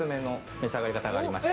召し上がり方がありまして。